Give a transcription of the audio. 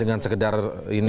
bikin dengan sekedar ini